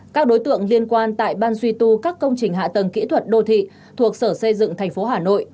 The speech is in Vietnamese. các đối tượng liên quan tại ban duy tu các công trình hạ tầng kỹ thuật đô thị thuộc sở xây dựng thành phố hà nội